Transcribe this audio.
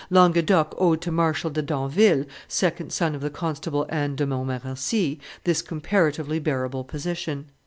Languedoc owed to Marshal de Damville, second son of the Constable Anne de Montmorency, this comparatively bearable position.